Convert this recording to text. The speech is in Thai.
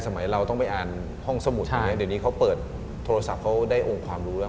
เราต้องไปอ่านห้องสมุดใช่ไหมเดี๋ยวนี้เขาเปิดโทรศัพท์เขาได้องค์ความรู้แล้ว